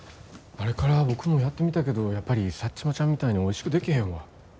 あれから僕もやってみたけどやっぱりサッチモちゃんみたいにおいしく出来へんわ。